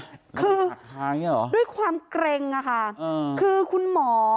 หักคาอย่างนี้เหรอคือด้วยความเกร็งอะค่ะคือคุณหมอ